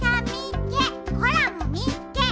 ゴラもみっけ！